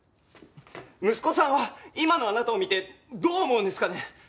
息子さんは今のあなたを見てどう思うんですかね？